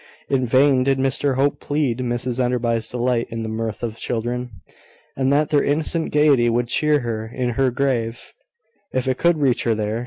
In vain did Mr Hope plead Mrs Enderby's delight in the mirth of children, and that their innocent gaiety would cheer her in her grave, if it could reach her there.